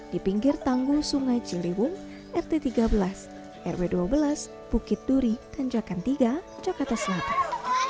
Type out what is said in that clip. di pinggir tanggul sungai ciliwung rt tiga belas rw dua belas bukit duri tanjakan tiga jakarta selatan